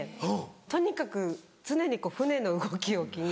とにかく常に船の動きを気にして。